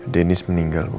dennis meninggal bu